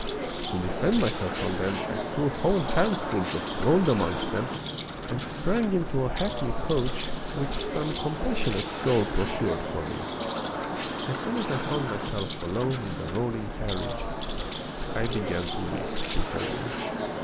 To defend myself from them I threw whole handfuls of gold amongst them and sprang into a hackney coach which some compassionate soul procured for me. As soon as I found myself alone in the rolling carriage I began to weep bitterly.